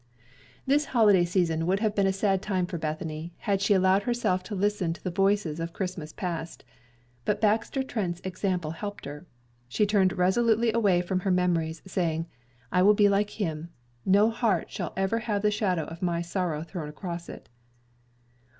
This holiday season would have been a sad time for Bethany, had she allowed herself to listen to the voices of Christmas past, but Baxter Trent's example helped her. She turned resolutely away from her memories, saying: "I will be like him. No heart shall ever have the shadow of my sorrow thrown across it."